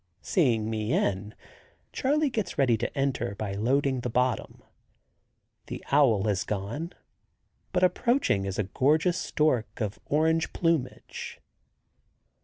Seeing me in, Charley gets ready to enter, by loading the bottom. The owl has gone, but approaching is a gorgeous stork of orange plumage.